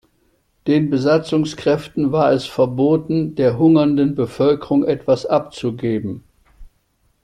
Den Besatzungskräften war es verboten, der hungernden Bevölkerung etwas abzugeben.